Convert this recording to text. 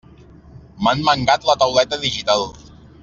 M'han mangat la tauleta digital!